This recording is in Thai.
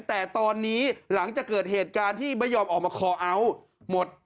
แต่ตอนนี้หลังจากเกิดเหตุการณ์ที่ไม่ยอมออกมาคอเอาท์หมด